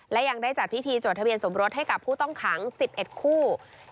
และยังได้จัดพิธีจดทะเบียนสมรสให้กับผู้ต้องขัง๑๑คู่